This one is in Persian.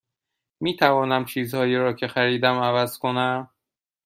می توانم چیزهایی را که خریدم عوض کنم؟